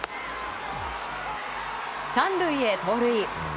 ３塁へ盗塁。